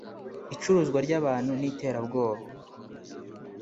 icuruzwa ry’abantu n’iterabwoba